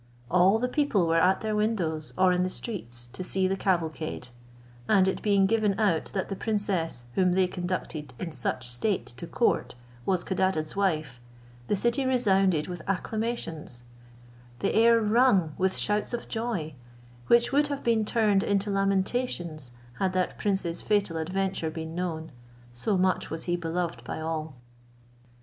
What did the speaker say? All the people were at their windows, or in the streets, to see the cavalcade; and it being given out that the princess, whom they conducted in such state to court, was Codadad's wife, the city resounded with acclamations, the air rung with shouts of joy, which would have been turned into lamentations had that prince's fatal adventure been known; so much was he beloved by all.